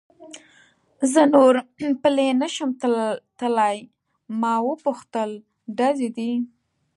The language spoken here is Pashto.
زه نور پلی نه شم تلای، ما و پوښتل: ډزې دي؟